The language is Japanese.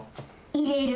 入れる。